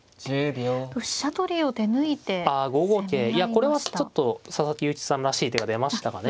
これはちょっと佐々木勇気さんらしい手が出ましたかね。